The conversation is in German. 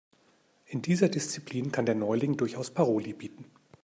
In dieser Disziplin kann der Neuling durchaus Paroli bieten.